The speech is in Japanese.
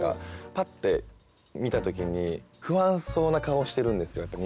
パッて見た時に不安そうな顔をしてるんですよニジマスが。